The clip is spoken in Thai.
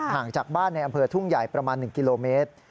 ห่างจากบ้านในอำเภอทุ่งใหญ่ประมาณ๑กิโลเมตร